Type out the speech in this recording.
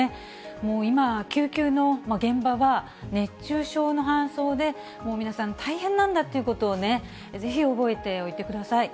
もう今、救急の現場は、熱中症の搬送でもう皆さん、大変なんだということをぜひ覚えておいてください。